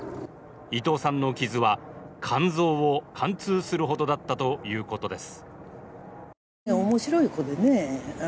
伊藤さんの傷は、肝臓を貫通するほどだったということです。